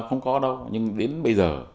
không có đâu nhưng đến bây giờ